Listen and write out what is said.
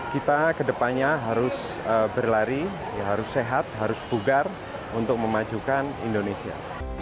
kita kedepannya harus berlari harus sehat harus bugar untuk memajukan indonesia